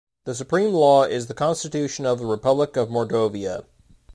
The supreme law is the Constitution of the Republic of Mordovia.